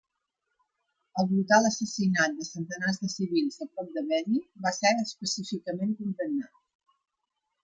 El brutal assassinat de centenars de civils a prop de Beni va ser específicament condemnat.